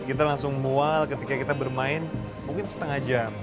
kita langsung mual ketika kita bermain mungkin setengah jam